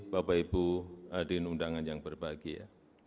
bapak ibu hadirin undangan yang berbahagia